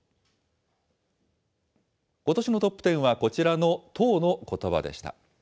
ことしのトップテンは、こちらの１０のことばでした。